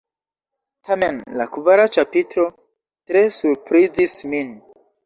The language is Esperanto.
Tamen la kvara ĉapitro tre surprizis min.